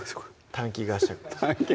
短期合宿